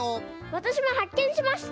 わたしもはっけんしました。